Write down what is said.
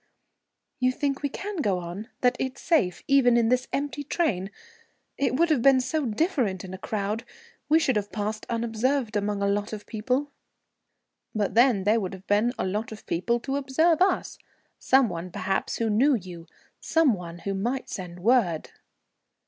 "You think we can go on, that it's safe, even in this empty train? It would have been so different in a crowd. We should have passed unobserved among a lot of people." "But then there would have been a lot of people to observe us; some one, perhaps, who knew you, some one who might send word."